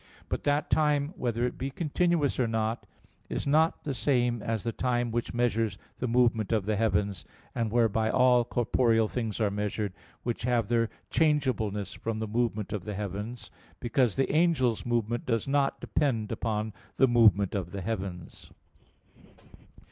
iv, text 99). But that time, whether it be continuous or not, is not the same as the time which measures the movement of the heavens, and whereby all corporeal things are measured, which have their changeableness from the movement of the heavens; because the angel's movement does not depend upon the movement of the heavens.